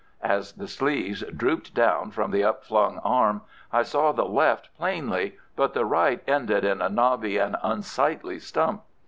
As the sleeves drooped down from the upflung arms I saw the left plainly, but the right ended in a knobby and unsightly stump.